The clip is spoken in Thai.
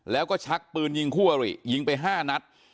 แล้วก็ชักปืนยิงคู่อริยิงไป๕นัด